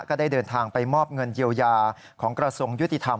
ก็ได้เดินทางไปมอบเงินเยียวยาของกระทรวงยุติธรรม